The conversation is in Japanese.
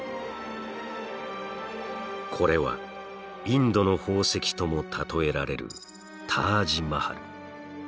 これはインドの宝石とも例えられるタージ・マハル。